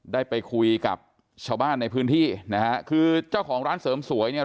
ได้ไปคุยกับชาวบ้านในพื้นที่นะฮะคือเจ้าของร้านเสริมสวยเนี่ย